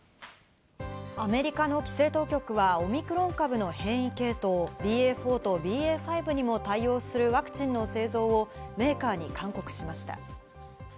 アメリカの規制当局はオミクロン株の変異系統、ＢＡ．４とＢＡ．５にも対応するワクチンの製造をメーカーに勧告しました。